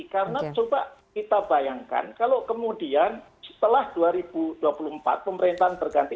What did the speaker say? karena coba kita bayangkan kalau kemudian setelah dua ribu dua puluh empat pemerintahan berganti